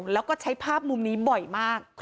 แล้วก็ใช้ภาพมุมนี้บ่อยมาก